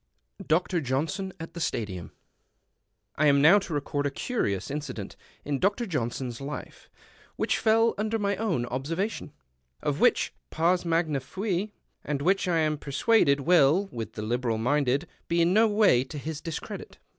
27 DR. JOHNSON AT THE STADIUM I AM now to record a curious incident in Dr. Johnson's life, which fell under my own observation ; of which 2)ars magna fui, and which I am persuaded will, with the liberal minded, be in no way to his discredit.